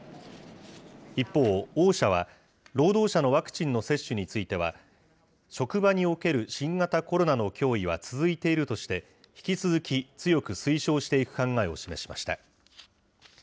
一方、ＯＳＨＡは労働者のワクチンの接種については、職場における新型コロナの脅威は続いているとして、引き続き強く推奨していく考えを示しました。